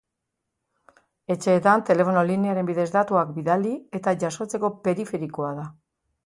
Etxeetan telefono linearen bidez datuak bidali eta jasotzeko periferikoa da.